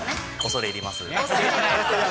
恐れ入ります。